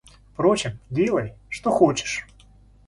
Впрочем, делай, что хочешь...